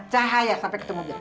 cahaya sampai ketemu dia